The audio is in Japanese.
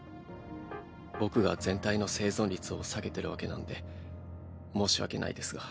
僕が全体の生存率を下げてるわけなんで申し訳ないですが。